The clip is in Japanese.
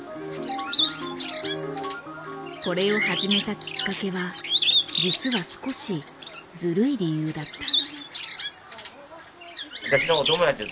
これを始めたきっかけは実は少しずるい理由だった。